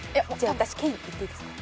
私県いっていいですか？